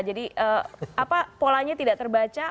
jadi apa polanya tidak terbaca